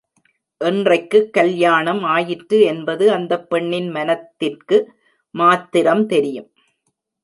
என்றைக்குக் கல்யாணம் ஆயிற்று என்பது அந்தப் பெண்ணின் மனத்திற்கு மாத்திரம் தெரியும்.